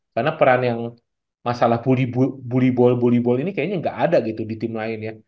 karena peran yang masalah bully bully ini kayaknya nggak ada gitu di tim lain ya